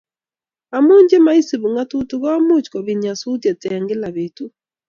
Amu che maisubi ngatutik komuch kobit nyasutiet eng kila betut